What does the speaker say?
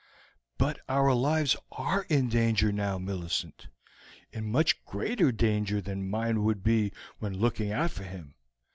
"But our lives are in danger now, Millicent in much greater danger than mine would be when looking out for him.